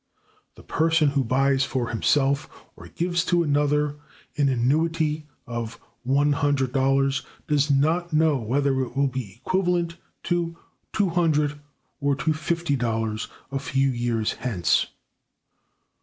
The person who buys for himself, or gives to another, an annuity of one [hundred dollars], does not know whether it will be equivalent to [two hundred or to fifty dollars] a few years hence.